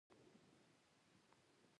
ښه نیت بد نه زېږوي.